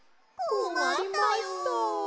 こまりました。